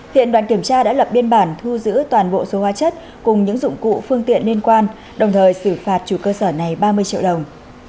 hiện đoàn kiểm tra đã lập biên bản thu giữ toàn bộ số hóa chất cùng những dụng cụ phương tiện liên quan đồng thời xử phạt chủ cơ sở này ba mươi triệu đồng